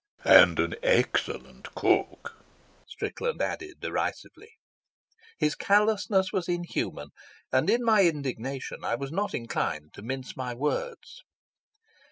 "And an excellent cook," Strickland added derisively. His callousness was inhuman, and in my indignation I was not inclined to mince my words.